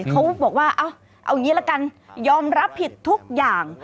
เขาบอกว่าเอางี้ละกันยอมรับผิดทุกอย่าง